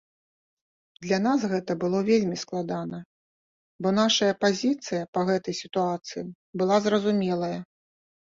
Для нас гэта было вельмі складана, бо нашая пазіцыя па гэтай сітуацыі была зразумелая.